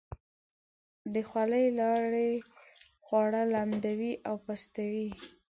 د خولې لاړې خواړه لمدوي او پستوي.